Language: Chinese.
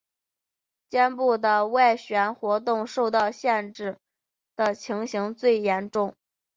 肩部的外旋活动受到限制的情形最严重。